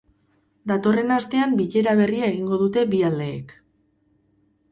Datorren astean bilera berria egingo dute bi aldeek.